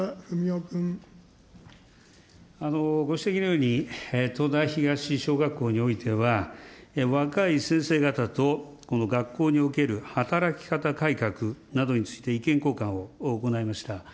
ご指摘のように、戸田東小学校においては、若い先生方と、この学校における働き方改革などについて意見交換を行いました。